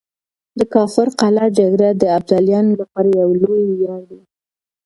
د کافر قلعه جګړه د ابدالیانو لپاره يو لوی وياړ دی.